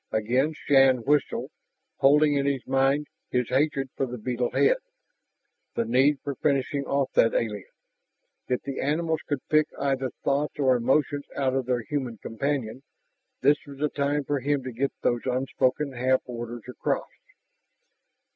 Again Shann whistled, holding in his mind his hatred for the beetle head, the need for finishing off that alien. If the animals could pick either thoughts or emotions out of their human companion, this was the time for him to get those unspoken half orders across.